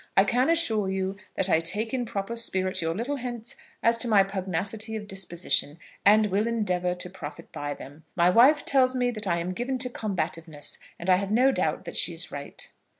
I can assure you that I take in proper spirit your little hints as to my pugnacity of disposition, and will endeavour to profit by them. My wife tells me that I am given to combativeness, and I have no doubt that she is right.